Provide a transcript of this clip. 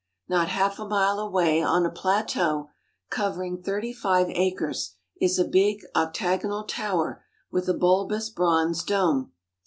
Not half a mile away on a plateau covering thirty five acres is a big octagonal tower with a bulbous bronze dome.